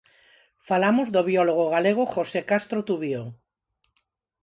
Falamos do biólogo galego José Castro Tubío.